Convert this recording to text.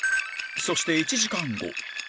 そして１時間後